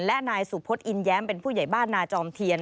และนายสุพศอินแย้มเป็นผู้ใหญ่บ้านนาจอมเทียน